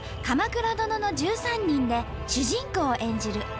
「鎌倉殿の１３人」で主人公を演じる